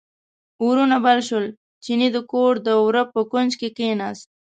اورونه بل شول، چیني د کور د وره په کونج کې کیناست.